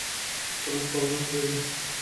চলনা ফিরে যাই!